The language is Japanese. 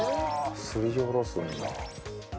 すりおろすんだ。